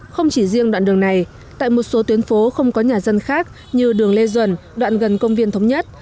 không chỉ riêng đoạn đường này tại một số tuyến phố không có nhà dân khác như đường lê duẩn đoạn gần công viên thống nhất